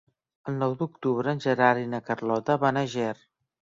El nou d'octubre en Gerard i na Carlota van a Ger.